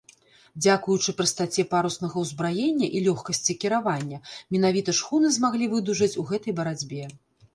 Дзякуючы прастаце паруснага ўзбраення і лёгкасці кіравання менавіта шхуны змаглі выдужаць у гэтай барацьбе.